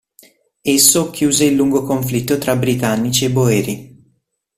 Esso chiuse il lungo conflitto tra britannici e Boeri.